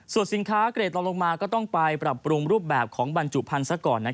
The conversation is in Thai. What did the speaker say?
ส่วนสินค้าเกรดเราลงมาก็ต้องไปปรับปรุงรูปแบบของบรรจุภัณฑ์ซะก่อน